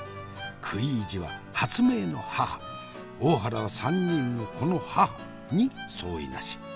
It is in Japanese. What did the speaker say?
食い意地は発明の母大原は３人の子の母に相違なし。